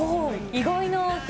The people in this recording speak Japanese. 意外な。